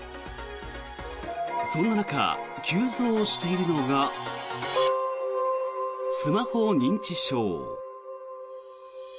そんな中、急増しているのがスマホ認知症。